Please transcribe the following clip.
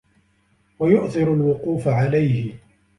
وَيُؤْثِرُ الْوُقُوفَ عَلَيْهِ